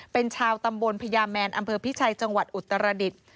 เป็นชาวตำบลพญาแมนอำเภอพิชัยจังหวัดอุตรดิษฐ์